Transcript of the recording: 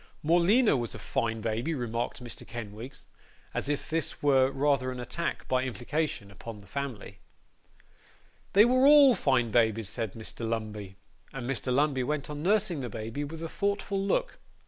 'Morleena was a fine baby,' remarked Mr. Kenwigs; as if this were rather an attack, by implication, upon the family. 'They were all fine babies,' said Mr. Lumbey. And Mr. Lumbey went on nursing the baby with a thoughtful look.